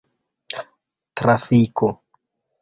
trafiko